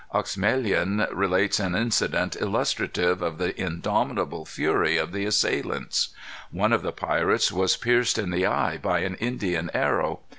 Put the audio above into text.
Oexemelin relates an incident illustrative of the indomitable fury of the assailants. One of the pirates was pierced in the eye by an Indian arrow.